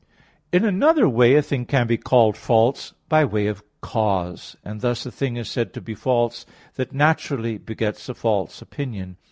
In another way a thing can be called false, by way of cause and thus a thing is said to be false that naturally begets a false opinion.